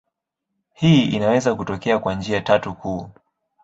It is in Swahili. Hii inaweza kutokea kwa njia tatu kuu.